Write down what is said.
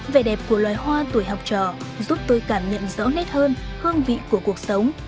vẻ đẹp của loài hoa tuổi học trò giúp tôi cảm nhận rõ nét hơn hương vị của cuộc sống